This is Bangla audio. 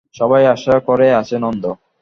সবাই আশা করে আছে নন্দ।